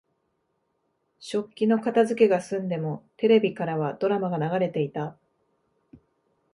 食器の片づけが済んでも、テレビからはドラマが流れていた。